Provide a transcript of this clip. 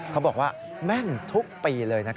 เขาบอกว่าแม่นทุกปีเลย